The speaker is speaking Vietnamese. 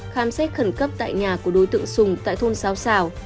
khám xét khẩn cấp tại nhà của đối tượng sùng tại thôn sáo sào